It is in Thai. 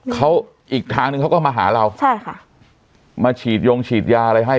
เขาอีกทางนึงเขาก็มาหาเราใช่ค่ะมาฉีดยงฉีดยาอะไรให้